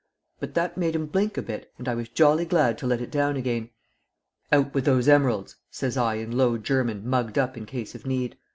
But that made him blink a bit, and I was jolly glad to let it down again. 'Out with those emeralds,' says I in low German mugged up in case of need.